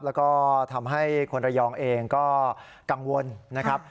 แล้วก็ทำให้คนระยองเองก็กังวลนะครับ